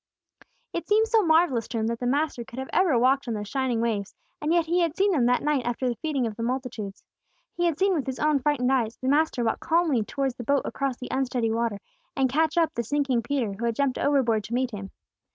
It seemed so marvellous to him that the Master could have ever walked on those shining waves; and yet he had seen Him that night after the feeding of the multitudes. He had seen, with his own frightened eyes, the Master walk calmly towards the boat across the unsteady water, and catch up the sinking Peter, who had jumped overboard to meet Him.